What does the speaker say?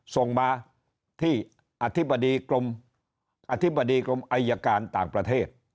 ส่งมาที่อธิบดีกรมอัยการต่างประเทศ